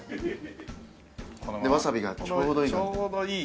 ワサビがちょうどいい。